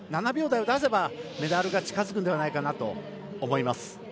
７秒台を出せばメダルが近づくのではないかと思います。